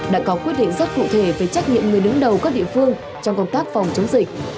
đã có quyết định rất cụ thể về trách nhiệm người đứng đầu các địa phương trong công tác phòng chống dịch